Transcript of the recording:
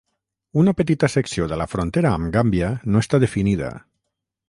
Una petita secció de la frontera amb Gàmbia no està definida.